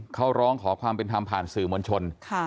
เขาร้องขอความเป็นธรรมผ่านสื่อมวลชน